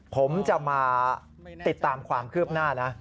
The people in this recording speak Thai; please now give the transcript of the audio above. ผมจะมาติดตามความคืบหน้านะ